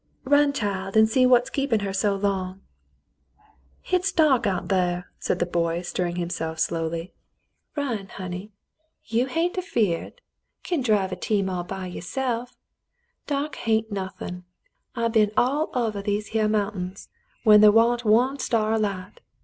"Run, child, an' see what's keepin' her so long." "Hit's dark out thar," said the boy, stirring himself slowly. The Mountain People 21 "Run, honey, you hain't af eared, kin drive a team all by you'se'f. Dark hain't nothin' ; I ben all ovah these heah mountains when thar wa'n't one star o' light.